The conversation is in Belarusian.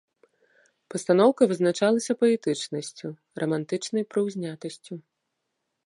Пастаноўка вызначалася паэтычнасцю, рамантычнай прыўзнятасцю.